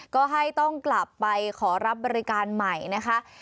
ก็ให้ต้องกลับไปขอรับบริการใหม่นะคะ